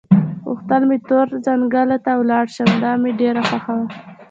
غوښتل مې تور ځنګله ته ولاړ شم، دا مې ډېره خوښه وه.